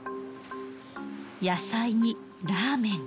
野菜にラーメン。